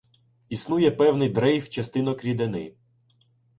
Існує певний дрейф частинок рідини.